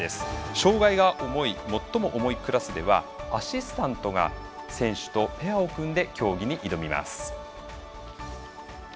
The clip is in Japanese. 障がいが最も重いクラスではアシスタントが選手とペアを組んで競技に挑みます。